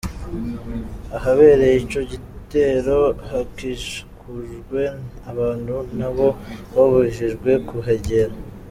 Ahabereye ico gitero hakikujwe, abantu na bo babujijwe kuhegera.